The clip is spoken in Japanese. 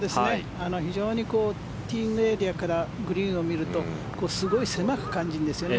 非常にティーイングエリアからグリーンを見るとすごい狭く感じるんですよね。